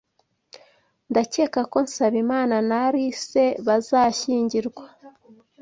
Ndakeka ko Nsabimana na Alice bazashyingirwa.